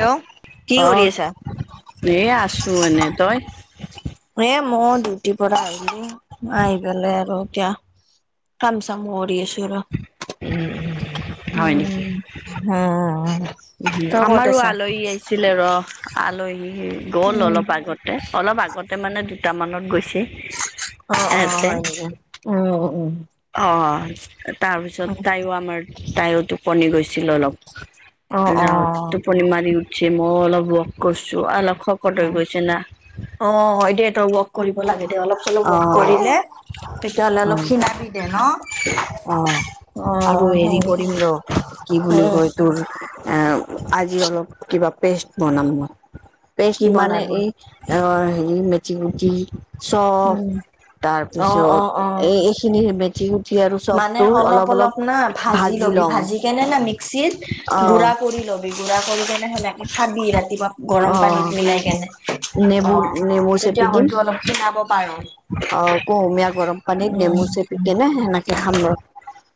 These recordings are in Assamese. হেল্ল' কি কৰি অ', আছা? এইয়া আছো এনে তই এ মই ডিউটিৰ পৰা আহিলো আহি পেলাই আৰু এতিয়া কাম চাম কৰি আছো আৰু উম, উম উম উম [unintelligible] উম, আমাৰো আলহী আহিছে। আছিলে ৰহ আলহী গ'ল অলপ আগতে অলপ আগতে মানে দুটামানত গৈছে। অ', অ' এহেঁতে হয় নেকি উম উ উম। অ তাৰপিছত তাইও আমাৰ তাইও টোপনি গৈছিল অলপ। অ অ যাওঁ টোপনি মাৰি উঠিছে মই অলপ ৱৰ্ক কৰিছো অলপ শকত হৈ গৈছো না। অ হয় দে তই ৱৰ্ক কৰিব লাগে দে অলপ চলপ ৱৰ্ক অ', কৰিলে তেতিয়াহ'লে অলপ অ', ক্ষীণাবি দে অ', ন। অ আৰু হেৰি হয় কৰিম ৰ' কি নেকি অ বুলি কয় এ আজি অলপ কিবা পেষ্ট বনাম মই পেষ্ট কি মানে বনাবি? এই অ হেৰি মেঠি গুটি চফ উম অ অ তাৰপিছত অ এই এইখিনি গুটি আৰু মানে চবটো অলপ, অলপ না ভাজি ল'বি ভাজি কেনে না মিক্সিত অ গুড়া কৰি লবি। গুড়া কৰি কেনে সেনেকে খাবি ৰাতিপুৱা গৰম অ পানীত মিলাই কেনে। নেমু অ', নেমু তেতিয়া চেপি দিম হয়তো অলপ ক্ষীণাব পাৰোঁ। অ কুহুমীয়া গৰম পানীত নেমু চেপিকেনে সেনেকে খাম ৰ।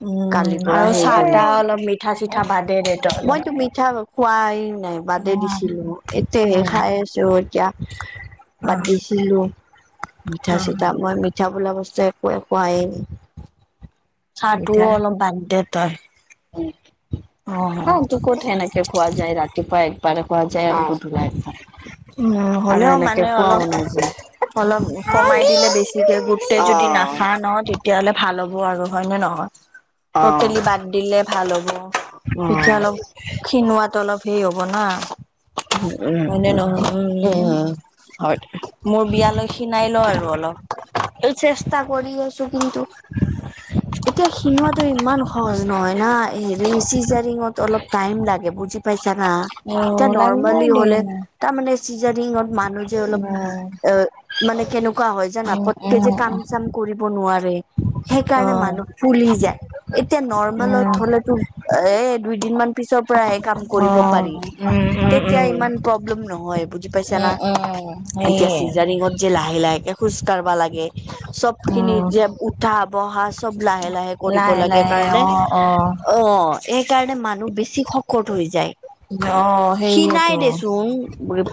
উম কালিৰ পৰা আৰু হেই চাহ কৰিম তাহ অলপ মিঠা চিঠা বাদে দে তই অলপ মইতো মিঠা খোৱাই নাই বাদে দিছিলো এতিয়া সেই উম খাই আছো এতিয়া অ বাদ দিছিলো মিঠা অ চিঠা মই মিঠা মিঠা বোলা বস্তু একোৱে খুৱাই নাই। চাহটোও অলপ বাদ দে তই। অ অতো ক'ত এনেকে খোৱা যায় ৰাতিপুৱা একবাৰে খোৱা যায় আৰু টো নাই। উম হ'লেও মানে খোৱাও অলপ নাযায়। অলপ কমাই দিলে বেছিকে গোট তই যদি অ'। নখাও নহয় তে তেতিয়াহ'লে ভাল হ'ব আৰু হয় নে নহয় অ', অ', ট'টেলি বাদ দিলে ভাল হ'ব। এতিয়া অলপ ক্ষীণোৱাত অলপ হেৰি হ'ব না। উ উ হয়নে উম, নহয়? উম হয়। মোৰ বিয়ালৈ ক্ষীণাই ল আৰু অলপ। এই চেষ্টা কৰি আছো কিন্তু এতিয়া ক্ষীণোৱাটো ইমান সহজ নহয় না হেৰি চিজাৰিঙত অলপ টাইম লাগে বুজি পাইছা না এতিয়া অ', লাগিবই নৰ্মেলি দে। হলে তাৰ মানে চিজাৰিঙত মানুহ যে অলপ উম, এ মানে কেনেকুৱা হয় জানা উম, পতকে উম, যে কাম উম, চাম কৰিব নোৱাৰে সেইকাৰণে অ'। মানুহ ফুলি যায়। এতিয়া নৰ্মেলত উম, হ'লেতো এ দুইদিনমান, পিছৰ পৰাই এই কাম কৰিব পাৰি অ', উম, উম, তেতিয়া উম। ইমান প্ৰব্লেম নহয় বুজি পাইছা না? উম, উম, এতিয়া সেয়ে চিজাৰিঙত যে লাহে লাহেে খোজ কঢ়বা লাগে চব খিনি উম, যে উঠা বহা চব লাহে লাহে কৰিব লাগে কাৰণে অ। সেইকাৰণে মানুহ বেছি শকত হৈ যায়। অ', ক্ষীণাই সেইয়েতো দেচোন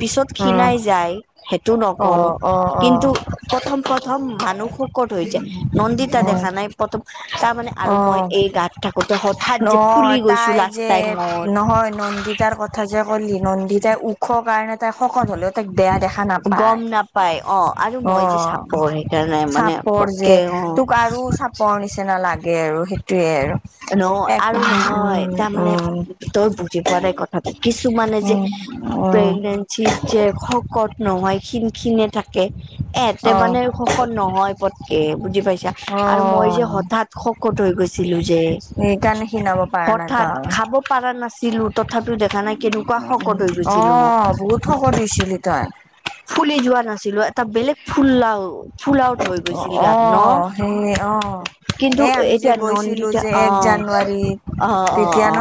পিছত উম, ক্ষীণাই যায়। সেইটো নকওঁ, অ', অ', অ', কিন্তু প্ৰথম প্ৰথম মানুহ খুব শকত হৈ যায়, নন্দিতা অ', দেখা নাই প্ৰথম তাৰ মানে, আৰু মই অ'। এই গাত থাকোতে, হঠাৎ যে নহয় ফুলি গৈছো তাই লাষ্ট টাইমত। কাজিয়া কৰিলি নন্দীতাই ওখ কাৰণে, তাই শকত হলেও তাইক বেয়া দেখা নাপায়, গম নাপাই অ আৰু অ' মই যে চাপৰ সেইকাৰণে মানে চাপ চাপৰ যে পতকে অ তোক আৰু চাপৰ নিচিনা লাগে আৰু সেইটোয়ে আৰু। নহয় এক আৰু নহয় উম তাৰমানে উম তই বুজি পোৱা নাই কথাটো কিছুমানে যে, অ' যি য়ে শকত নহয় ক্ষীণ ক্ষীণ এ থাকে, এহঁতে অ মানে। শকত নহয় পটকে বুজি পাইছা? অ আৰু মই যে হঠাৎ শকত হৈ গৈছিলোঁ যে, সেইকাৰণে খিনাব পাৰা নাই হঠাৎ তই খাব পাৰা নাছিলো তথাপিও দেখা নাই কেনেকুৱা, কোৱা শকত অ গৈছিলো। বহুত শকত হৈছিলি তই ফুলি যোৱা নাছিলো, এটা বেলেগ ফুল লাও। ফুল আউট হৈ অ গৈছিল অ গাত ন, সেই অ কিন্তু এ আমি যে এতিয়া - কিন্তু গৈছিলো এতিয়া, যে অ, এক জানুৱাৰীত অ, অ, অ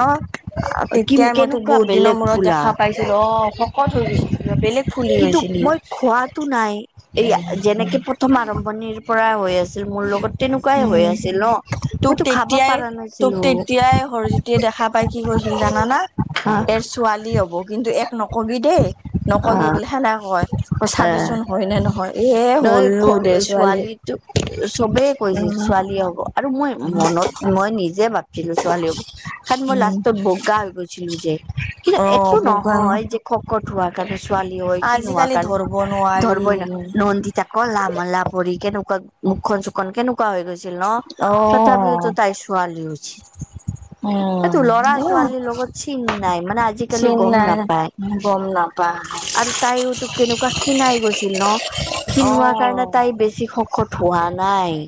কি তেতিয়া মইতো কেনেকুৱা বহুত দিনৰ বেলেগ মূৰত ফুলা দেখা পাইছিলো, অ শকত হৈ গৈছিলি বেলেগ ফুলি কিন্তু গৈছিলি। মই খোৱাতো নাই এই যেনেকে প্ৰথম- আৰম্ভণিৰ পৰা হৈ আছিল, মোৰ লগত তেনেকুৱাই হৈ উম আছিল ন। তোক মইতো খাব তেতিয়াই, পাৰা তোক নাছিলো তেতিয়াই হৰজিতে দেখা পাই কি কৈছিল জানা না আহ - এ ছোৱালী হব কিন্তু এক নকবি দেই নকবি আহ বুলি সেনেকে কয়। ত‌ই আহ চাবিচোন হয় নে নহয়, এ নহয় হ'লো দে ছোৱালী। ছোৱালীটো চবেই কৈছিল উম ছোৱালীয়ে হব আৰু মই উম মনতো - মই নিজে ভাবিলো ছোৱালী হ'ব। খালি মই উম লাষ্টত বগা হৈ গৈছিলো যে কিন্তু অ এইটো বগা নহয় যে খুব - শকত হোৱা কাৰণে ছোৱালী হয়, খিন হোৱাৰ আজিকালি কাৰণে ধৰব নোৱাৰি ধৰবই ন নন্দিত - তা কলা মলা পৰি কেনেকুৱা মুখন -চুখনন কেনেকুৱা হৈ গৈছিল ন? অ তথাপিওতো তাই ছোৱালী হৈছে। উম সেইটো লৰা- এ ছোৱালীৰ লগত চিন নাই মানে আজিকালি চিন গম নাই নাপায়। গম নাপায়। আৰু তাইও তো কেনেকুৱা খিণাই গৈছিল ন। অ খিনোৱা কাৰণে তাই বেছি শকত হোৱা নাই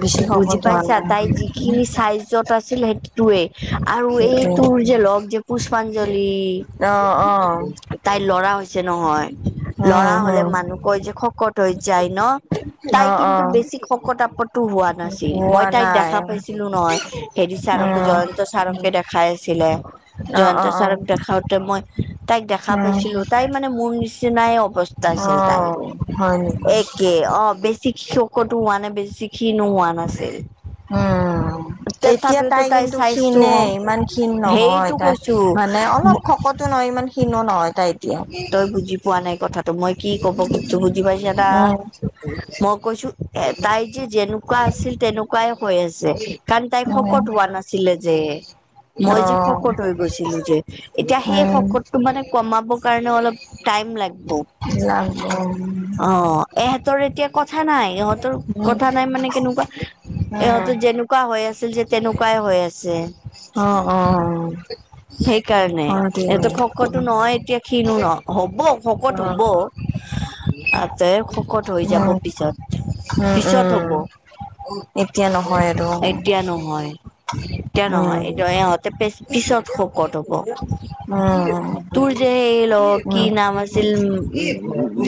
বেছি খব বুজি ধোৱা পাইছা! তাই নাই যিখিন চাইজত আছিল সেইটোৱে আৰু এইটোৰ যে লগ যে, পুষ্পাঞ্জলি অ অ তাইৰ ল'ৰা হৈছে নহয়। উম লৰা হলে হম মানুহ কয় যে, শকত হৈ যায় ন? অ তাই অ কিন্তু বেছি শকত আপতো হোৱা নাছিল, মই হোৱা - তাইক নাই দেখা পাইছিলো নহয়, হেৰি ছাৰকে উম জয়ন্ত চাৰকে দেখাই আছিলে। অ জয়ন্ত অ অ ছাৰক দেখাওঁতে মই তাইক দেখা উম পাইছিলো তাই মানে মোৰ নিচিনাই অৱস্থা। স্থা অ আছিল তাইৰো, হয় নেকি একেই- অ বেছি শকতো হোৱা নাই বেছি ক্ষিণোহোৱা নাছিল। উম, উম, এতিয়া তথাপিওতো তাই কিন্তু চাইজটো ক্ষীণে ইমান ক্ষীণ নহয় সেইটো তাই কৈছো মানে অলপ শকত - কত নহয় ইমান ক্ষীণো নহয় তাই। এতিয়া তই বুজি পোৱা নাই কথাটো মই কি কব খুজিছো বুজি পাইছা না? উম মই কৈছো এ তাই যে যেনেকুৱা আছিল তেনেকুৱাই হৈ আছে। কাৰণ তাইক উম শকত হোৱা নাছিলে যে - মই যে উম, শকত হৈ গৈছিলো যে এতিয়া সেই উম, শকতটো মানে কমাব - কাৰণে অলপ টাইম লাগিব, অ ইহঁতৰ এতিয়া কথা নাই ইহঁতৰ কথা এতিয়া নাই মানে কেনেকুৱা ইহঁতৰ যেনেক - এনেকুৱা হৈ আছিল যে তেনেকুৱাই হৈ আছে। সেইকাৰণে সিহঁত শকতো নহয় এতিয়া - ক্ষীণো ন হ'ব শকত হ'ব। তাতে শকত হৈ যাব পিছত, পিছত হব। নহয় আৰু এতিয়া নহয় এতিয়া উম, নহয়, উম, হৃদয়ত তে পে পিছত শকত হব। তোৰ - হে ল কি উম, নাম আছিল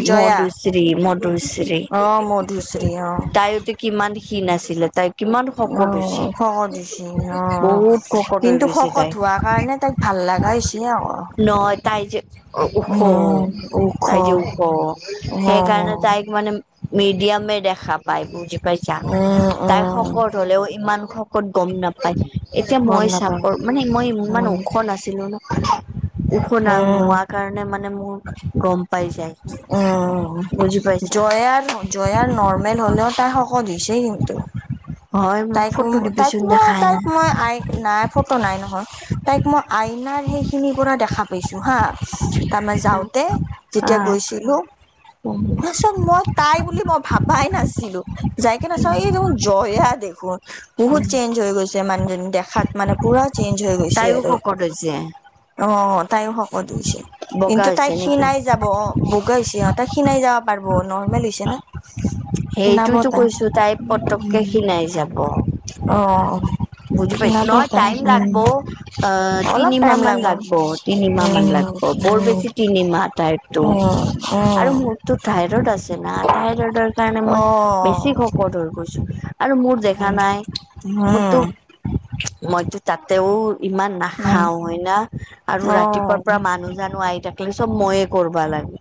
জয়া মধুশ্ৰী মধুশ্ৰী - অ মধুশ্ৰী অ। তাইয়ো টো কিমান ক্ষীণ আছিলে তাই - অ শকত দিছে অ বহুত শকত হৈ কিন্তু গৈছে শকত তাই হোৱা কাৰণে তাক - ভাল লগা হৈছে আক নহয় তাই যে ওখ ওখ তাই যে ওখ অ', সেইকাৰণে তাইক মানে - মিডিয়ামে দেখা পায় বুজি পাইছা। উম, তাই উম, শকত হলেও ইমান শ - কত গম নাপায়। এতিয়া গম মই নাপাওঁ চাপৰ মানে মই ইমান উম, ওখ নাছিলো ন - ওখ উম, নোৱাৰ কাৰণে মানে মোৰ গম পাই যায়। অ'হ বুজি পাইছা জয় আৰু। জয়াৰ নৰ্মেল হ'লেও তাই শকত দিছেই কিন্তু। [unintelligible] তাইক ফটো তাইক দিবিচোন মই দেখাই তাইক নাই মই আই নাই ফটো নাই নহয়। তাইক মই আইনাৰ সেইখিনিৰ পৰা দেখা পাইছো হা। তাৰমান যাওঁতে যেতিয়া গৈছিলো। উ'ম। তত মই তাই বুলি মই ভাবাই নাছিলো যাইকে নাচা এই দেখোন জয়া দেখোন। বহুত চেঞ্জ হৈ গৈছে মানুহজনী দেখাত মানে পুৰা চেইঞ্জ হৈ গৈছে তাইও আৰু। শকত হৈছে অ তাই শকতছে বগা কিন্তু তাই হৈছে সি নেকি নাই। যাব অ বগা হৈছে অহ ত খীনাই যাব পাৰিব নৰ্মেল হৈছে না। সেইটোয়তো কৈছো তাই পতককে খিনাই যাব। অ। বুজি পাইছো ক্ষীণাব নহয় তাই টাইম উম, লাগব অ অলপ তিনিমাহ টাইম মান লাগব তিনিমাহ মান উম, লাগ। অ বৰ উম, বেছি তিনিমাহ তটাইপটো উম, আৰু উম, মোৰ। তটো থাইৰইড আছে না থাইৰইডৰ কাৰণে অ', মই বেছি হকত হৈ গৈছো আৰু মোৰ। দেখা উম, নাই উম, মোৰতো অ', মইতো তাতেও ইমান। নাখাও হয় ন আৰু ৰাতিপুৱাৰ পৰা মানুহ জানো আই থাকিলে চব ময়ে কৰিবা লাগে।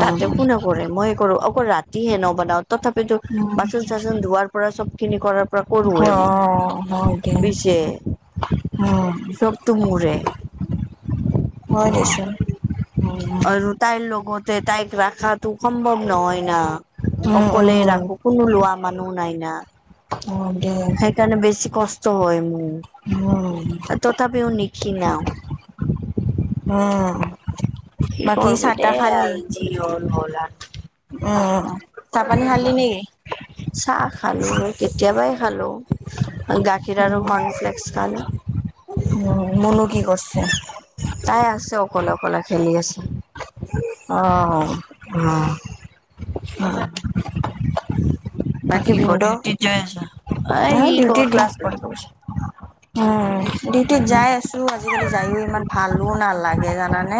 তাতে কোনে কৰে মই কৰো। অকল ৰাতিহে নবনাও তথাপিতো অ', বাচন চাচন ধোৱাৰ পৰা চব খিনি কৰাৰ। প্ৰ কৰো হয় দে মই পিছে উম, চব ত মোৰে। মই অ দিছো। আৰু তাইৰ লগতে তাইক ৰাখাটো সম্ভৱ নহয় না, অকলে উম, ৰাখো কোনো লোৱা মানুহ নাই না, হয় দে সেইকাৰণে বেছি কষ্ট হয় উম, মোৰ। তথাপিও নিখিনাও। অঁ'হ। কি কৰবি দে আৰু জি হল হ'ল আও। অঁহ চাহ পানী খালি নেকি? চাহ খালোঁ মই কেতিয়াবাই খালোঁ গাখীৰ উম, আৰু কৰ্ণফ্লেক্স খালোঁ। উম মনু কি কৰছে? তাই আছে অকলে অকলে খেলি আছে। অঁ। অঁহ। হয়। ভিনদেউ? মই ডিউটিত [inaudible] উ'ম। ডিউটিত যাই আছো, আজিকালি যায়ও ইমান ভালো নালাগে জানানে।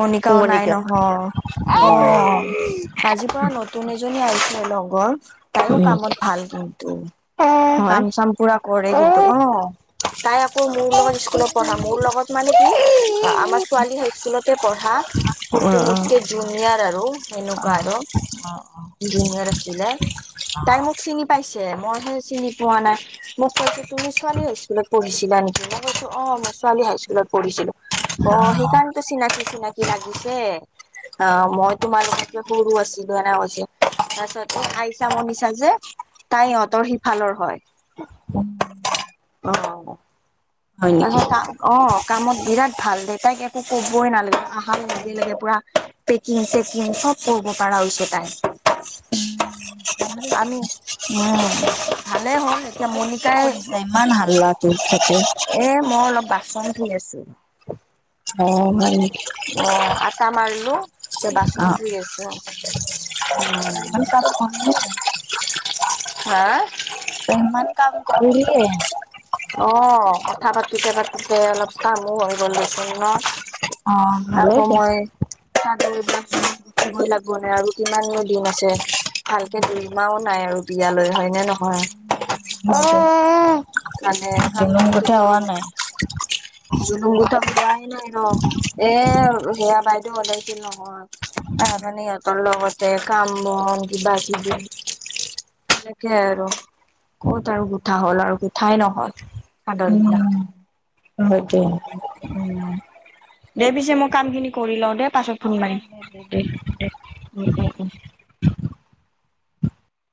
মণিকাও নাই মণিকা নহয় অঁ। আজিৰ পৰা নতুন এজনী আহছিলে লগৰ, তাইও উম কামত ভাল কিন্তু। হয় কাম চাম পুৰা কৰে কিন্তু অঁ, তাই মোৰ লগত স্কুলত পঢ়া মোৰ লগত মানে কি আমাৰ ছোৱালী হাই স্কুলতে পঢ়া। অ কিন্তু মোতকেই জুনিয়ৰ আৰু সেনেকুৱা আৰু। জুনিয়ৰ আছিলে তাই মোক চিনি পাইছে মই সে চিনি। পোৱা নাই, মোক কৈছে তুমি ছোৱালী হৈছিলো পঢ়িছিলা নেকি? মই কৈছোঁ অঁহ মই ছোৱালী হাইস্কুলত পঢ়িছিলোঁ, অঁহ সেইকাৰণে। টো চিনাকি চিনাকি লাগিছে। অঁ মই তোমালোকতে সৰু আছিলো সেনেকৈ কৈছিলে। তাৰপিছত এই আহইছা মনিছা যে, তাই ইহঁতৰ সিফালৰ। [inaudible] অঁ অঁ, হয় নেকি তাহাতা অঁ কামত বিৰাট ভাল দে তাইক একো কবই নালাগে আহান লগে লগে পুৰা। পেকিং চেকিং চব কৰিব পাৰা হৈছে তাই। ভালে হৈছে আমি উম ভালে হল। এতিয়া এই কি মনিকাই কৰিছা ইমান হাল্লা তো ছতে। এ মই অলপ বাচন ধুই আছো। অ হয় নেকি অঁ, আটা মাৰলো তিয়া অ বাচন ধুই আছো। [inaudible] হাঁ? তই ইমান কাম কৰিলিয়ে? অঁ, কথা পাতোতে পাতোতে অলপ কামো হৈ গ'ল দেচোন ন। অ আকৌ ভালেই দে মই চাকৌ বাচ কিবই লাগিব নে আৰু কিমানো দিন আছে, ভালকে দুইমায়ো নাই আৰু বিয়ালৈ হয়নে নহয়। [inaudible] কানে জুলুম কামটোটো কথা হোৱা কৰিম। নাই জুনোম গোঠ কিবা আহিলেও আইব এ সেয়া বাইদেউ হতেছিল নহয়। এ অঠনি সিহঁতৰ লগতে কাম বন কিবা কিবি তাকে আৰু ক'ত আৰু গোটা হ'ল আৰু কিত ঠাই নহয় সাদৰ বিলাক অ সেইটোৱে উম দে পিছে মই কামখিনি কৰি লওঁ দে পাছত অ ফোন মাৰিম। দে দে দে উম দে ক